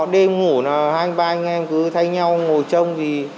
đêm ngủ là hai anh ba anh em cứ thay nhau ngồi trong